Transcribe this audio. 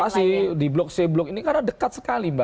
pasti di blok c blok ini karena dekat sekali